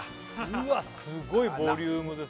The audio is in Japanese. うわっすごいボリュームですね